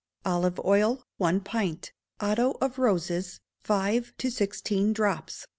Olive oil, one pint; otto of roses, five to sixteen drops.